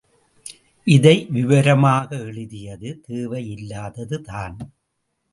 இதை விவரமாக எழுதியது தேவை இல்லாதது தான்.